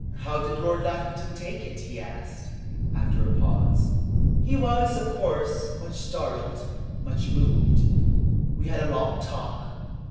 "How did Lord Lackington take it?" he asked, after a pause. "He was, of course, much startled, much moved. We had a long talk.